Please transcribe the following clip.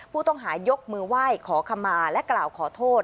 ผู้ต้องหายกมือไหว้ขอขมาและกล่าวขอโทษ